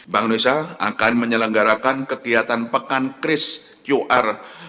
bank indonesia akan menyelenggarakan kegiatan pekan kris qr